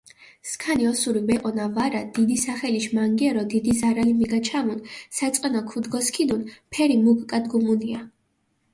სქანი ოსური ვეჸონა ვარა, დიდი სახელიშ მანგიორო დიდი ზარალი მიგაჩამუნ, საწყენო ქჷდგოსქიდუნ ფერი მუკგადგუმუნია.